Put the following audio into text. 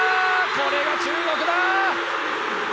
これが中国だ！